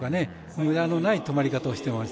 むだのない止まり方をしてます。